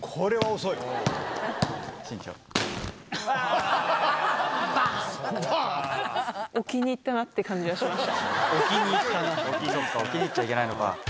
そうか置きにいっちゃいけないのか。